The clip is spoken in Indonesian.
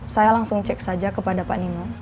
saya langsung cek saja kepada pak nino